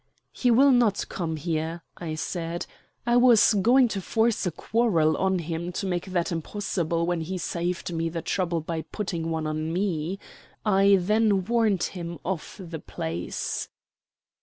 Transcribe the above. "He will not come here," I said. "I was going to force a quarrel on him to make that impossible when he saved me the trouble by putting one on me. I then warned him off the place."